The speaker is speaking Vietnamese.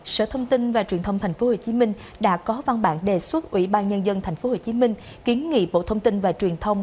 sở thông tin và truyền thông tp hcm đã có văn bản đề xuất ủy ban nhân dân tp hcm kiến nghị bộ thông tin và truyền thông